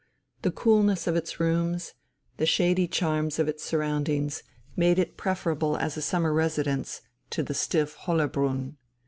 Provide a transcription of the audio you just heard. The coolness of its rooms, the shady charms of its surroundings, made it preferable as a summer residence to the stiff Hollerbrunn.